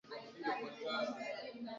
Pweto bintu na biakula biko bei chini